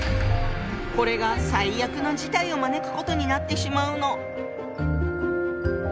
これが最悪の事態を招くことになってしまうの。